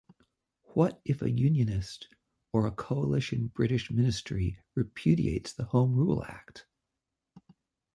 What if a Unionist or a Coalition British Ministry repudiates the Home Rule Act?